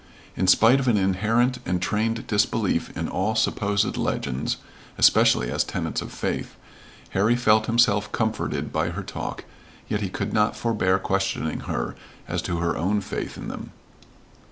In spite of an inherent and trained disbelief in all supposed legends, especially as tenets of faith, Harry felt himself comforted by her talk, yet he could not forbear questioning her as to her own faith in them.